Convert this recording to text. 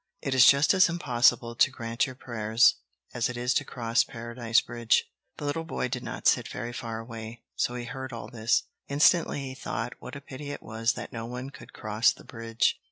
It is just as impossible to grant your prayers, as it is to cross Paradise Bridge." The little boy did not sit very far away, so he heard all this. Instantly he thought what a pity it was that no one could cross the bridge.